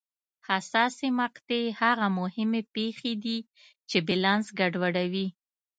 حساسې مقطعې هغه مهمې پېښې دي چې بیلانس ګډوډوي.